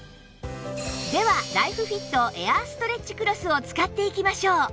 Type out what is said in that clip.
ではライフフィットエアーストレッチクロスを使っていきましょう